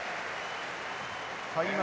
開幕